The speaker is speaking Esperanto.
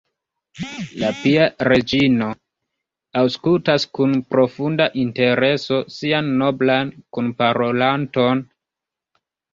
La pia reĝino aŭskultas kun profunda intereso sian noblan kunparolanton.